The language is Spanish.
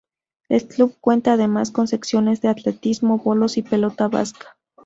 El club cuenta además con secciones de atletismo, bolos y pelota vasca.